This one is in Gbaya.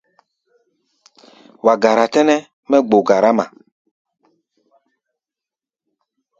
Wa gara tɛ́nɛ́ mɛ́ gbo garáma.